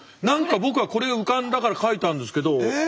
何か僕はこれが浮かんだから書いたんですけど。